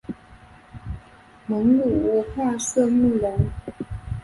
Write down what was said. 蒙古化色目人。